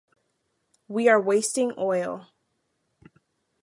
We are wasting oil.